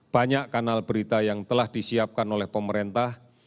banyak kanal berita yang telah disiapkan oleh pemerintah